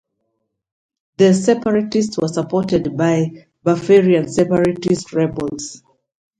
The separatists were supported by Biafran separatist rebels.